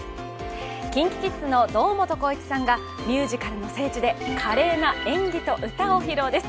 ＫｉｎＫｉＫｉｄｓの堂本光一さんがミュージカルの聖地で華麗な演技と歌を披露です。